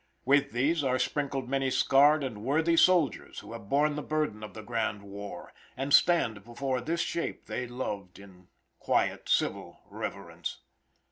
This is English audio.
With these are sprinkled many scarred and worthy soldiers who have borne the burden of the grand war, and stand before this shape they loved in quiet civil reverence.